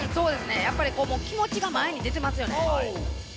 やっぱり気持ちが前に出てますよね。